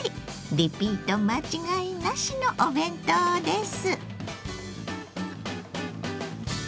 リピート間違いなしのお弁当です。